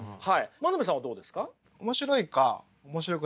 真鍋さんはどうですか？